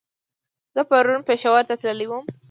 زه پرون پېښور ته تللی ووم